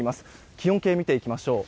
気温計を見ていきましょう。